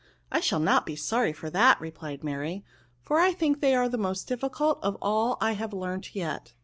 " I shall not be sorry for that,*' replied Mary ;" for I think they are the most dif ficult of all I have learnt yet.